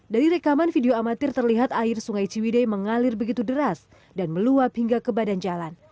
dari rekaman video amatir terlihat air sungai ciwidei mengalir begitu deras dan meluap hingga ke badan jalan